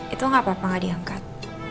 itu gak apa apa nggak diangkat